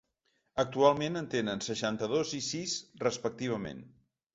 Actualment en tenen seixanta-dos i sis, respectivament.